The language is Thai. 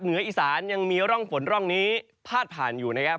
เหนืออีสานยังมีร่องฝนร่องนี้พาดผ่านอยู่นะครับ